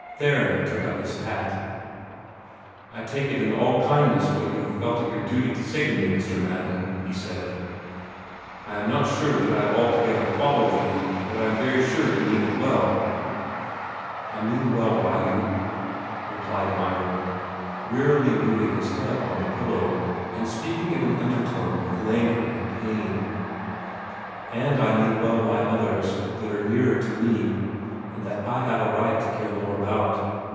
Theron took up his hat. "I take in all kindness what you have felt it your duty to say to me, Mr. Madden," he said. "I am not sure that I have altogether followed you, but I am very sure you mean it well." "I mean well by you," replied Michael, wearily moving his head on the pillow, and speaking in an undertone of languor and pain, "and I mean well by others, that are nearer to me, and that I have a right to care more about.